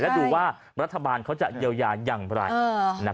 แล้วก็ดูว่ารัฐบาลเค้าจะเยียวยาอย่างรั้ง